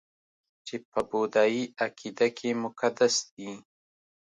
چې په بودايي عقیده کې مقدس دي